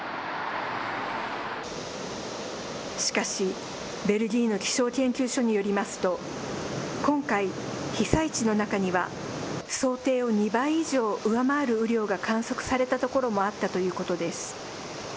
しかし、ベルギーの気象研究所によりますと、今回、被災地の中には、想定を２倍以上上回る雨量が観測された所もあったということです。